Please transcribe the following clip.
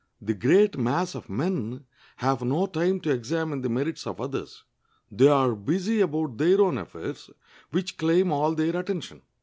The great mass of men have no time to examine the merits of others. They are busy about their own affairs, which claim all their attention.